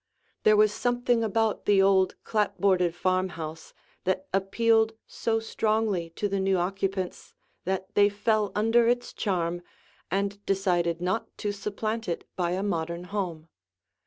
There was something about the old clapboarded farmhouse that appealed so strongly to the new occupants that they fell under its charm and decided not to supplant it by a modern home.